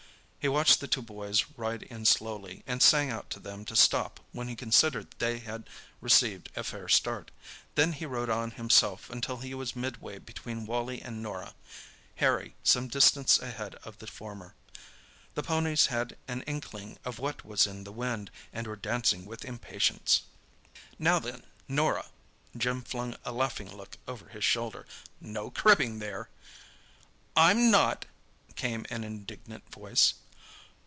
He watched the two boys ride on slowly, and sang out to them to stop when he considered they had received a fair start. Then he rode on himself until he was midway between Wally and Norah, Harry some distance ahead of the former. The ponies had an inkling of what was in the wind, and were dancing with impatience. "Now then, Norah,"—Jim flung a laughing look over his shoulder—"no cribbing there!" "I'm not!" came an indignant voice.